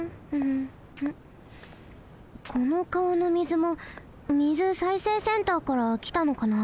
このかわの水も水再生センターからきたのかな？